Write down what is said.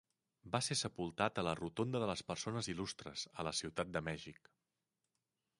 Va ser sepultat a la Rotonda de les Persones Il·lustres, a la Ciutat de Mèxic.